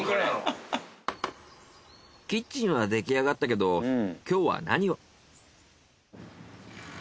キッチンは出来上がったけど今日は何を？